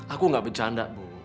aku gak bercanda bu